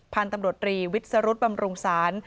พันธุ์ตำรวจรีวิสรุธบำรุงศาล